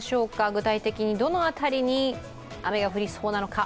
具体的にどの辺りに雨が降りそうなのか。